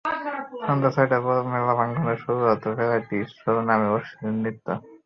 সন্ধ্যা ছয়টার পরপরই মেলা প্রাঙ্গণে শুরু হতো ভ্যারাইটি শোর নামে অশ্লীল নৃত্য।